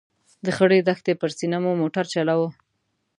د خړې دښتې پر سینه مو موټر چلاوه.